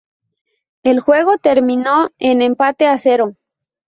El juego terminó en empate a cero.